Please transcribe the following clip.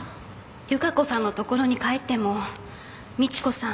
由加子さんの所に帰っても美知子さん